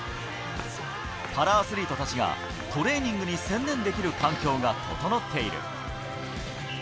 パラアスリートたちがトレーニングに専念できる環境が整っている。